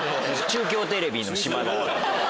中京テレビの島田アナ。